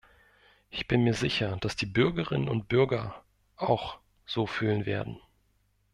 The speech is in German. Ich bin mir sicher, dass die Bürgerinnen und Bürger auch so fühlen werden.